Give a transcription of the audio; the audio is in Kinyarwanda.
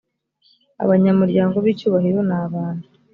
abanyamuryango b icyubahro ni abantu